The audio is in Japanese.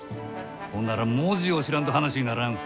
ほんなら文字を知らんと話にならん。